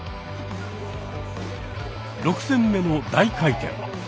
６戦目の大回転。